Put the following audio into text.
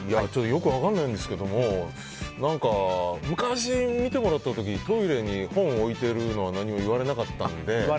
よく分からないんですけども昔、見てもらった時トイレに本を置いているのは何も言われなかったので。